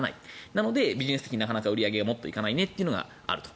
なので、ビジネス的になかなか売り上げがもっといかないねというのがあると。